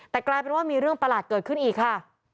แต่กลายเป็นว่ามีเรื่องประหลาดเกิดขึ้นอีกค่ะ